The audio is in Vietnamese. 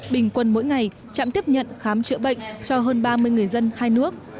bình quân mỗi ngày trạm tiếp nhận khám chữa bệnh cho hơn ba mươi người dân hai nước